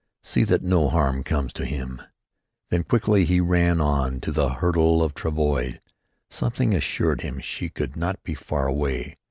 "See that no harm comes to him." Then quickly he ran on to the huddle of travois. Something assured him she could not be far away.